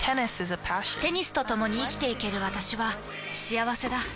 テニスとともに生きていける私は幸せだ。